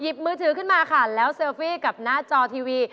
มือถือขึ้นมาค่ะแล้วเซลฟี่กับหน้าจอทีวี